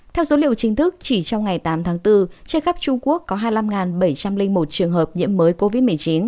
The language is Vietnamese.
theo số liệu chính thức chỉ trong ngày tám tháng bốn trên khắp trung quốc có hai mươi năm bảy trăm linh một trường hợp nhiễm mới covid một mươi chín